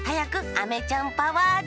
あめちゃんパワーで。